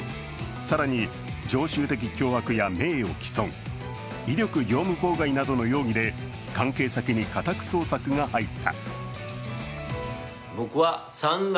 更に常習的脅迫や名誉棄損、威力業務妨害などの容疑で関係先に家宅捜索が入った。